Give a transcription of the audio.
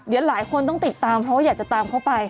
เดี๋ยวหลายคนต้องติดตามเพราะว่าอยากจะตามเขาไป